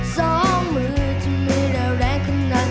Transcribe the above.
สองมือท่ามิดาแรงขนาดนั้น